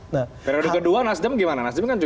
nah periode kedua nasdem gimana